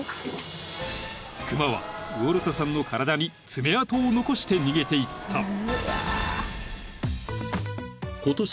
［クマはウォルトさんの体に爪痕を残して逃げていった］